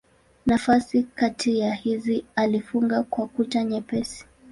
Nafasi kati ya hizi alifunga kwa kuta nyepesi.